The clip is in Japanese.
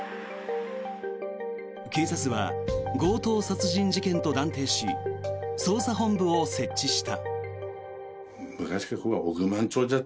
警察は、強盗殺人事件と断定し捜査本部を設置した。